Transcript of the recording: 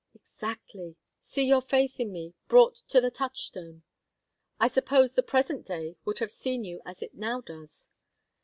"Exactly. See your faith in me, brought to the touchstone!" "I suppose the present day would have seen you as it now does?"